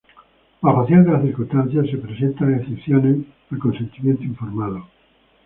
Bajo ciertas circunstancias, se presentan excepciones al consentimiento informado.